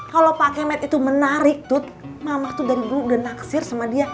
kalau pak kemet itu menarik tuh mama tuh dari dulu udah naksir sama dia